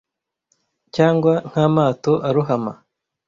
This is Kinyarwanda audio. cyangwa nk'amato arohama